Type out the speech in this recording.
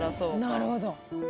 なるほど。